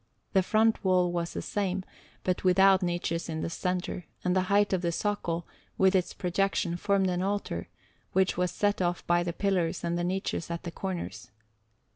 The front wall was the same, but without niches in the centre, and the height of the socle, with the projection, formed an altar, which was set off by the pillars and the niches at the corners.